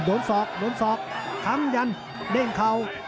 อ้อโดดสอกโดดสอกถังรั้นเด้งเข่า